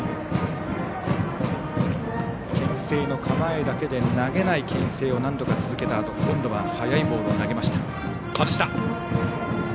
けん制の構えだけで投げないけん制を何度か続けたあと今度は速いボールを投げました。